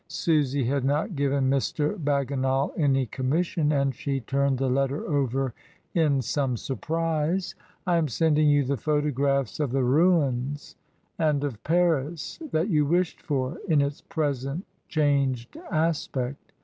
(Susy had not given Mr. Bagginal any commission, and she turned the letter over in some surprise.) "I am sending you the photographs of the ruins and of Paris, that you wished for, in its present changed aspect.